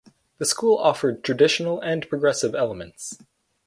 The school offered traditional and progressive elements.